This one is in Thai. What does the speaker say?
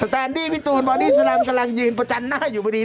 แตนดี้พี่ตูนบอดี้แลมกำลังยืนประจันหน้าอยู่พอดี